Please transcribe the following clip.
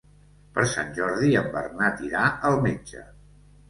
Per Sant Jordi en Bernat irà al metge.